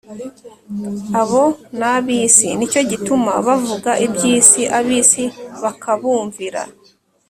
Abo ni ab’isi: ni cyo gituma bavuga iby’isi ab’isi bakabumvira.